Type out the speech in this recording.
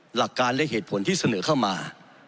หลักการและเหตุผลที่เสนอเข้ามา